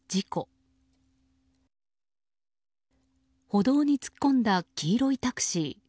歩道に突っ込んだ黄色いタクシー。